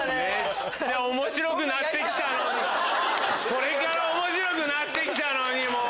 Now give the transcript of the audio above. これからおもしろくなってきたのにもう！